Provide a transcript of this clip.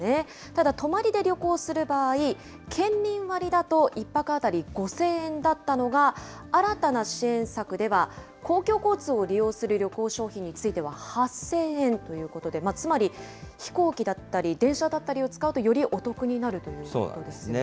ただ泊りで旅行する場合、県民割だと、１泊当たり５０００円だったのが、新たな支援策では、公共交通を利用する旅行商品については８０００円ということで、つまり飛行機だったり、電車だったりを使うと、よりお得になるということですね。